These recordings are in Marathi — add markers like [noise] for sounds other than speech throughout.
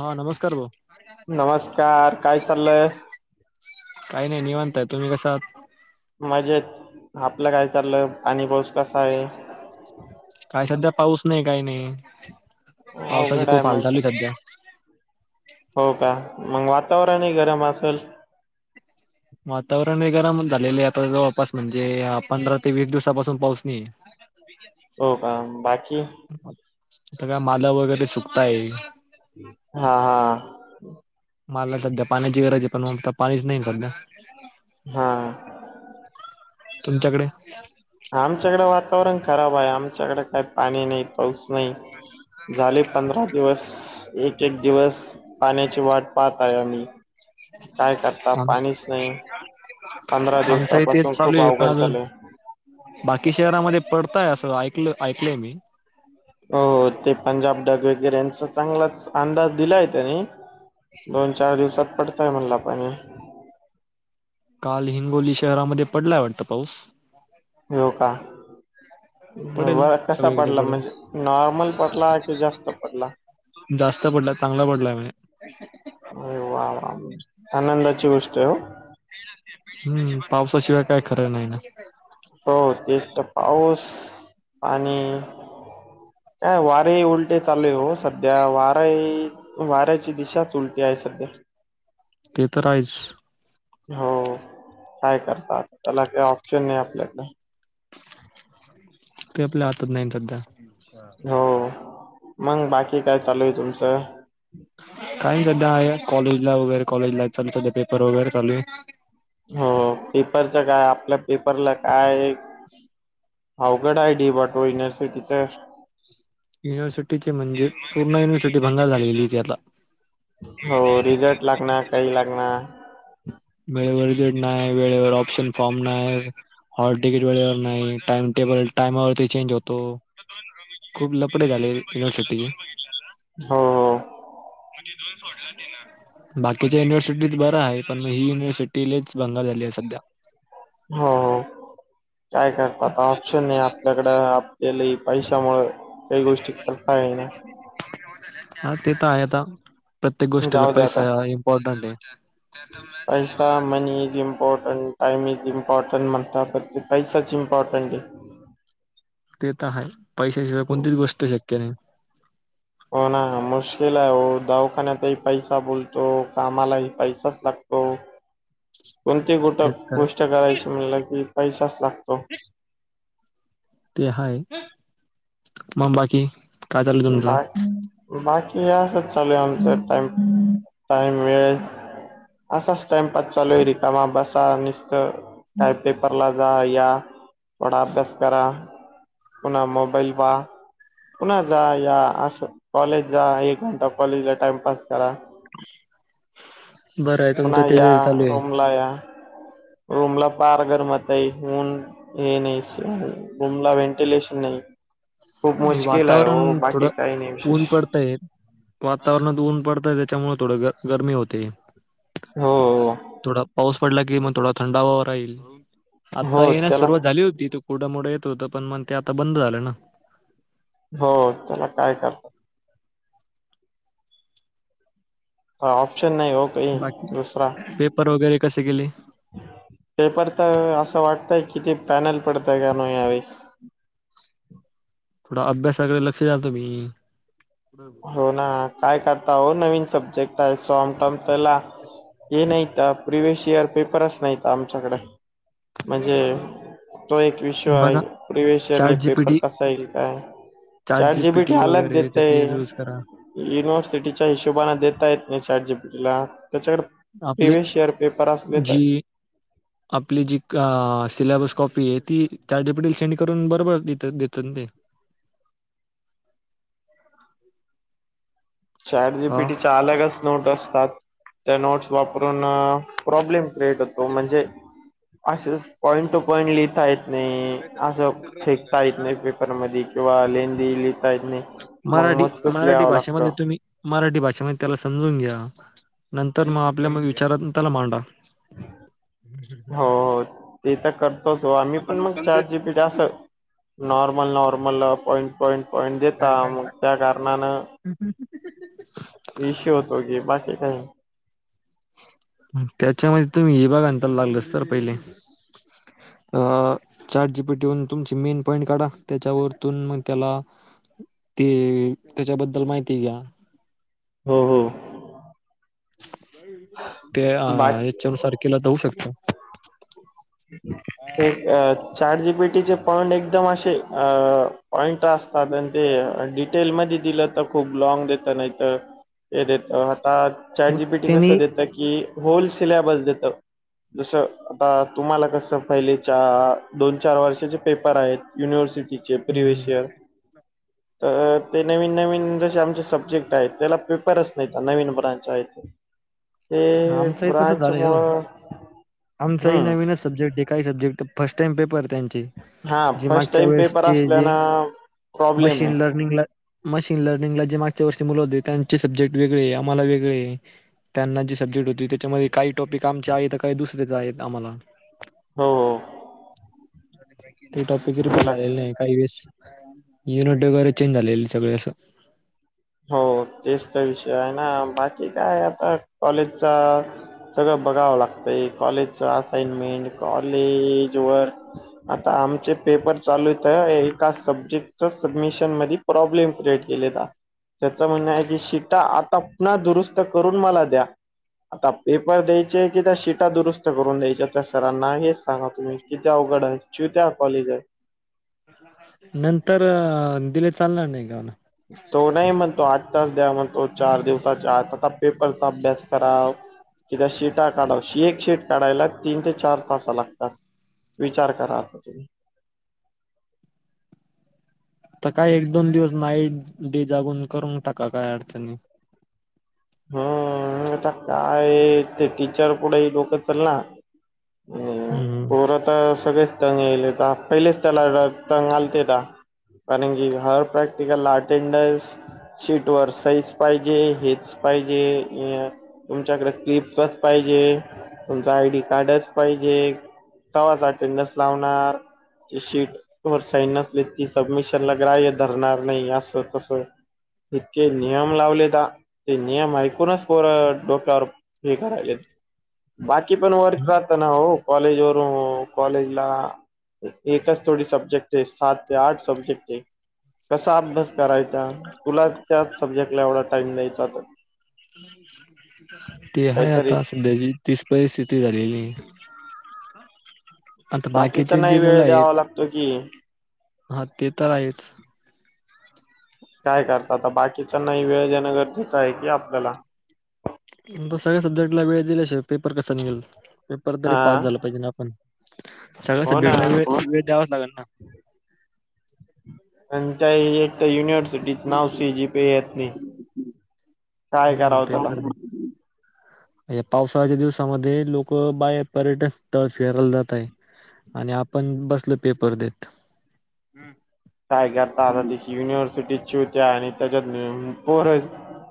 हा नमस्कार भाऊ. नमस्कार काय चाललंय? काही नाही निवांता हाय तुम्ही कसं आहात? मजेत आपलं काय चाललं आणि‌ पाऊस कसा आहे? काय सध्या पाऊस नाही काय नाही पावसाचे अवघड आहे खूप हाल मग तर चालू आहे सध्या‌. हो का मग वातावरणही गरम असेल. वातावरण हे गरम झालेले आहे आता जवळपास म्हणजे पंधरा ते वीस दिवसापासून पाऊस नाही आहे. [unintelligible] हो का बाकी सगळ्या माला वगैरे सुकताय हा हा मला सध्या पाण्याची गरज आहे पण नेमक पाणीच नाही सध्या हा तुमच्याकडे आमच्याकडें वातावरण खराब आहे आमच्याकडे काही पाणी नाही पाऊस नाही. झाले पंधरा दिवस एक एक दिवस पाण्याची वाट पाहत आहे आम्ही काय करता पाणीच नाही. पंधरा आमच दिवसापासून हितेच चालू खूप आहे पण अवघड आजून झालंय बाकी शहरामध्ये पडताय असं ऐकलं ऐकलंय मी हो ते पंजाब डग वगैरे यांचा चांगलाच अंदाज दिलाय त्यानी दोन चार दिवसात पडतोय म्हणला पाणी काल हिंगोली शहरामध्ये पडलाय वाटतं पाऊस हो का. बर पडेल होय कसा सगळीकडे पडला म्हणजे पडेल नॉर्मल पडला की जास्त पडला जास्त पडला चांगला पडला म्हणे अरे वा वा आनंदाची गोष्ट आहे ओ हम्म पावसाशिवाय काय खरं नाही नाय हो तेच तर पाऊस पाणी हा वारे उल्टे चाले ओ सध्या वाऱा आहे वाऱ्याची दिशाच उलटी आहे सध्या ते तर आहेच. हो काय करतात त्याला काय ऑप्शन नाही आपल्याकडे ते आपल्या हातात नाही सध्या. हो मग बाकी काय चालू आहे तुमचं काही सध्या आहे कॉलेजला वगैरे कॉलेज लाईफ चालू सध्या पेपर वगैरे चालू आहे. हो पेपरच काय आपल्या पेपरला काय आवगड आहे डी बा टू युनिव्हर्सिटीच. युनिवर्सिटीचे म्हणजे पूर्ण युनिवर्सिटी भंगार झालेेली होती आता. हो रिजर्ट लाग णा काही लाग णा वेळेवर रिजर्ट नाय वेळेवर ऑप्शन फॉर्म नाय हॉल टिकीट वेळेवर नाही टाइम टेबल टाईमावरती चेंज होतो. खूप लपडे झाले युनिवर्सिटीचे. हो हो मग तिथून सोडल तिनं. बाकीच्या युनिव्हर्सिटीच बं आहे पण मग ही युनव्हर्सटीच बंगल झाली आहे सध्या हो हो काय करत आता ऑप्शन नाही त्याकड आपलेले पैशामु काही गोष्टी करता आहे ना हा ते तर आहे आता प्रत्येक गोष्टीला जाऊ दे आता पैसा इम्पॉर्टंट आहे त्या तर पैसा money is important time is important म्हणतात ब़घ पैशाची इम्पॉर्टंट आहे ते तर हाय पैशाशिवाय आहे कोणतीच गोष्ट शक्य नाही हो ना मुश्कल आहे हो दवाखान्यात ही पैसा बोलतो कामालाही पैसाच लागतो [inaudible] कोणती गोट ते तर गोष्ट करायची म्हणल कि पैसाच लागतो. ते हाय मग बाकी काय चालू तुमचं बर बाकी या चालू आमचा ट टाईम वळे असाच टाइम प चालू आहे रिकमा बसा नसत काय पेपर ला जा या थोडा अभ्यास करा पुन्हा म मोबाईल पहा पुन्हा जा या अस कॉलेज जा एक घंटा कॉलेज ला टाइमपस करा बरं आहे तुमचं तेिथे चालू आहे बंगलया रूमला पार गरमातई हन हे नाही रूमला व्हेंटिलेशन नाही खूप मुश्किल आहे वातावरण हो बाकी थोडं काही नाही विशेष ऊन पडताय वातावरणात ऊन पडतय त्याच्यामुळे थोड गरमी होते हो थोडा पाऊस पडला की मग थोडा थंड हवा राहील आता हो येण्यास त्याला सुरुवात झाली होती तू कठं मोठं येत होतं पण मग ते आता बंद झालं ना हो त्याला काय कर ऑप्शन नाही हो काही बाकी दुसरा पेपर वगैरे कसे गेले पेपर तर असं वाटतय किती पॅनल पडतय का न यावेेळेस थोडा अभ्यासाकडे लक्ष द्याल तुम्ही हो ना काय करता हो नवीन सब्जेक्ट आहे सॉम टम त्याला हे नाहीत प्रिवियस इयर पेपरच नाहीत आमच्याकडे म्हणजे तो एक विषय आहे बघा प्रिवेशर चाट आणि पेपर जीपीटी कसा येईल काय चाट चार जीबी ट जीपीटी अलग वगैरे देतय त्याची यूज करा युनिव्हर्सिटीच्या हिशोबाने देता येत नाही चारजीपीला त्याच्याकडे आपले प्रिविस शअर पेपर असले तर जी आपली जी सिलेबस कॉपी आहे ती चारजपटील सेंड करून बरोबर द देतात ते चार जी हा पीटी चालकच नोट असतात त्या नोटस वापरून प्रॉब्लेम क्रिएट होतात तो म्हणजे असेच पॉईंट टू पॉईंट लिहता आहेत नाही असं फेकता येत नाही पेपरमध्येध किंवा लें लिहिता येत नाही मग मराठी मज कस ल मराठी यावं भाषेमध्ये लागतं तुम्ही मराठी भाषेमध्ये त्याला समजून घ्या नंतर मग आपल्या मग विचारात त्याला मांडा हम्म हो ते तर करतोच हो आम्ही पण मग चारजी जा अस normal normal point point point देता मग त्या कारणानं हम् ह इश होतो की बाकी काही त्याच्यामध्ये तुम्ही हे बाग आणतायला लागलस तर पहिले. ह. चार जी पी ठेवून तुमची मेन पॉईंट काढा त्याच्यावरतून मग त्याला ते त्याच्याबद्दल माहिती घ्या. हो हो. ते अ बाकी याच्यानुसारखेला जाऊ शकत. ते चार जीबीटीचे पॉइंट एकदम असे अ पॉइंट अस. साधण ते डिटेल मध्ये दिलं तर खूप लॉंग देत नाहीत. एेत हताात. चारट मग जीबी टी त्यांनी कसं देत की होल सिलेबस देत जसं आता तुम्हाला कसं फहिलेच्या दोन चार वर्षाचे पेपर आहेत युनिव्हर्सिटी चपरी विष तर ते नवीन नवीन जसे आमचे सब्जेक्ट आहेत त्याला पेपरच नाहीत नवीन ब्रांच आहेत. ते आमचही तस ब्रांच झालंय हो मुळं आमचाही हम्म नवीनच सब्जेक्ट काय सब्जेक्ट फर्स्ट टाम पेपर त्यांचे हा जे फर्स्ट मागच्या टाइम पेपर वेळेसचे असल्यान जे प्रॉब्लेम मशीन आहे लर्निंगला मशीन लर्निंगला जे मागच्या वर्षी मुलं होते त्यांचे सब्जेक्ट वेगळे आम्हाला वेगळे. त्यांना जी सब्जेक्ट होती त्याच्यामध्ये काही टॉपिक आमचे आहेत काही दुसऱ्याच आहेत आम्हाला हो. हो. ते टॉपिकप चला झालेलं नाही काही वेळेस. युनिट वगैरे चेंज झाले सगळे असं. हो तेच तर विषय आहे ना बाकी काय आता कॉलेजचा सगळं बघावं लागतंय कॉलेजच असाइनमेंट कॉलेज वर आता आमचे पेपर चालूत आहे एका सब्जेक्टच सबमिशन मध्ये प्रॉब्लेम क्रिएट केले. त्याचं म्हणणं आहे की शिटा आता पुन्हा दुरुस्त करून मला द्या. आता पेपर द्यायचे की त्या शिटा दुरुस्त करून द्यायच्या त्या सरांना हेच सांगत. तुम्ही किती्या अवघडा आहे कुथ्या कॉलेज आहे. नंतर दिले चालणार नाही गाना. तो नाही म्हणतो आठ तास द्या म्हणतो चार दिवसाच्या आ आता पेपरचा अभ्यास करा. कि्या शीटा काढा श एक शीट काढायला तीन ते चार तासा लागतात. विचार करा आ तुम्ही? तर काय एक दोन दिवस नाईट डे जागून करून टाका काय अडचणी ह आता काय ते टीचर पुुढे डोकं चचाल ना. हम्म पोर तर सगळेच. तंग येईल पहिलेच त्याला तंग आलतेता कारण की हर प्रॅक् प्र्येकाला अटेंडन्स शीट वर सईज पाहिजे हेच. पाहिजे तुमच्याकडे किपच पाहिजे. तुमचं आयडी कार्डच पाहिजे तवा्हाच अटेंडन्स लावणार. शीटर साईन नसली ती सबमिशनलाग रा्य धरणार नाही असं तस. इतके नियम लावलेता. ते नियम ऐकूनच पोर डोक्यावर हे कराय बाकी पण वर्क राहताना हो कॉलेज वून कॉलेज ला. एकच थोडी सब्जेक्ट आहे सात ते आठ सब्जेक्ट आहे कसास. करायचा तुला त्याच सब्जेक्ट ला एवढा टाइम नाहीचाात. ते हाय आता सध्याची तीच परिस्थिती झालेली. आता बाकीचा बाकीचे नाही जे मुलं वेळ आहेत द्यावा लागतो कि हा ते तर आहेच. काय करतात आता बाकीच्यांना वेळ जाणं गरजेच आहे की आपल्याला सगळ्या सब्जेक्ट ला वेळ दिल्याशि पेपर कसा निघेल पेपर तरी पास हा झाला पाहिजे ना आपण सगळ्या हो ना सब्जेक्टला वेळ [unintelligible] द्यावाच लागेल ना. आणि त्या एक युनि [unintelligible] सिटीत नाव सी. जी. पी. ये. येत नाही, काय करावं त्याला. [unintelligible] [inaudible] ह्या पावसाळच्या दिवसामध्ये लोक, बाहेर पर्यटन स्थळ फिरायला जात आहे. आणि आपण बसलो पेपर देत. काय करता आता, तिची युनिव्हर्सिटीची होत्या, आणि त्याच्यात पोर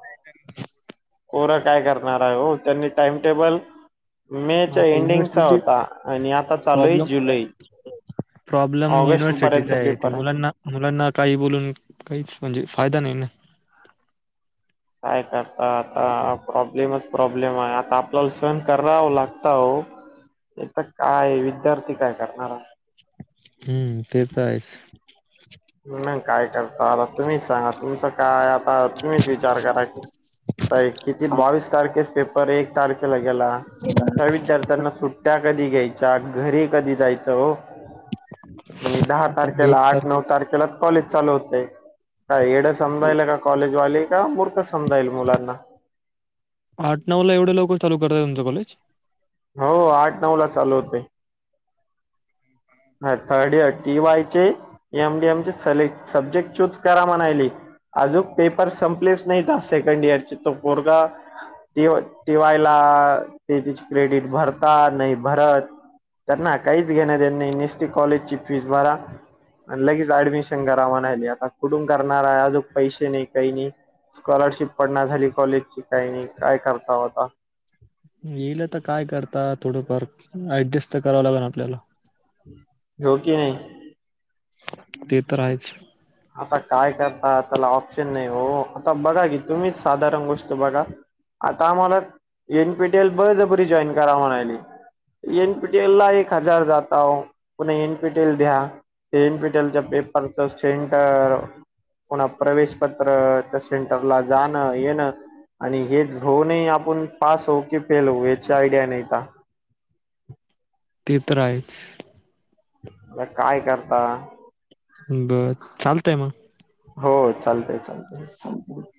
[unintelligible] [inaudible] पोरं काय करणार आहे हो, त्यांनी टाइम टेबल मे च्या आता एंडिंगचा युनिव्हर्सिटी होता, आणि आता चालू ये प्रॉब्लेम जुलै. प्रॉब्लेम ऑगस्ट युनिव्हर्सिटीचा पर्यंत आहे, ते पेपर मुलांना मुलांना काही बोलून, काहीच म्हणजे, फायदा नाही ना. काय करता आता, प्रॉब्लेमच प्रॉब्लेम आहे, आता आपल्याला सहन करावं लागत हो. इथ काय विद्यार्थी काय करणार. हम्म! ते तर आहेच. मग काय करता, आता तुम्हीच सांगा, तुमचा काय आता तुम्हीच विचार करा की, किती बावीस तारखेस एक तारखेला गेला, त्या विद्यार्थ्यांना सुट्ट्या कधी घ्यायच्या घरी कधी जायचं हो, आणि दहा आता एक तारखेला, तार आठ नऊ तारखे क चाल होतय, का येड समजायेला का कॉले समजाईल मुलांना आठ नऊ ला एवढ्या लवकर चालू करतात तुमचं कॉलेज? हो आठ नऊ ला चालू होतय. [unintelligible] [inaudible] ह, थर्ड इयर, टी. वाय चे एम. डी. एम चे स सब्जेक्ट चूज करा म्हणायले. अजून पेपर संपलेच नाहीत सेकंड इयरचे, तो पोरगा टी टीवायला, तेजीच क्रेडिट भरता नाही भरत त्यांना काहीच घेण देणं नाही, त्यांनी नुसती कॉलेजची फीज भरा. लगेच ऍडमिशन करा म्हणायली, आता कुठून करणार आहे, अजून पैसे नाही काही नाही. स्कॉलरशिप पडना झाली, कॉलेजची काही नाही, काय करता आत्ता. येईल आता काय करता थोडंफार, ऍडजस्ट तर करावं लागल आपल्याला. हो कि नाही. ते तर आहेच. आता काय करता, त्याला ऑप्शन नाही हो, आता बघा की, तुम्हीच साधारण गोष्ट बघा आता आम्हाला, एन. पी. टी. एल बळजबरी जॉईन करा म्हणायली एन. पी. टी. एल ला एक हजार जाता हो, पुन्हा एन. पी. टी. एल द्या. ते एन. पी. टी. एल चा सेंटर पुन्हा प्रवेश पत्र, त्या सेंटरला जाणं येणं आणि हे होऊनही आपण पास होऊ, की फेल होऊ, याची आयडिया नाहीता. ते तर आहेच. आता काय करता? बर चालतय मग. हो चालतय चालतय. [unintelligible] [inaudible]